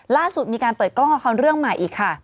ล่าสุดมีการเปิดกล้องละครเรื่องใหม่อีกค่ะ